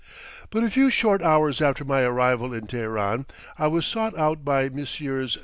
But a few short hours after my arrival in Teheran, I was sought out by Messrs.